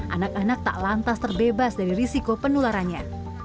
anak anak tak lantas terbebas dari risiko penularannya